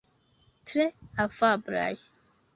Tre afablaj.